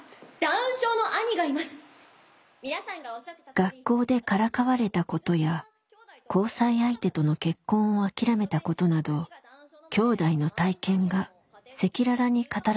学校でからかわれたことや交際相手との結婚を諦めたことなどきょうだいの体験が赤裸々に語られました。